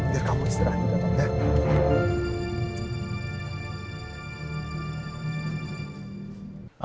biar kamu istirahat di dalam ya